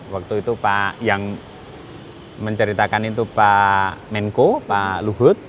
waktu itu pak menko pak luhut